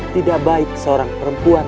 tidak baik seorang perempuan